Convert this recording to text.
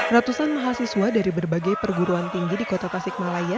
ratusan mahasiswa dari berbagai perguruan tinggi di kota tasikmalaya